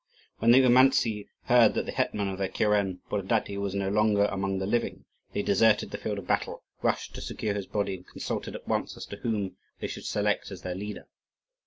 When the Oumantzi heard that the hetman of their kuren, Borodaty, was no longer among the living, they deserted the field of battle, rushed to secure his body, and consulted at once as to whom they should select as their leader.